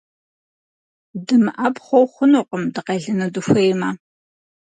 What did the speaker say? ДымыӀэпхъуэу хъунукъым, дыкъелыну дыхуеймэ.